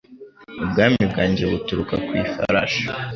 ubwami bwanjye buturuka ku ifarashi